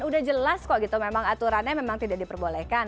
udah jelas kok gitu memang aturannya memang tidak diperbolehkan